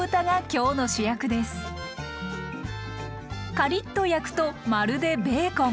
カリッと焼くとまるでべーコン。